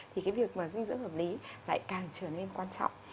thì cái việc mà dinh dưỡng hợp lý lại càng trở nên quan trọng